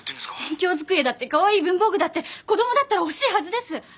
勉強机だってカワイイ文房具だって子供だったら欲しいはずです。